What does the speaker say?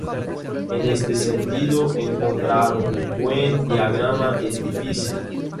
En este sentido, encontrar un buen diagrama es difícil.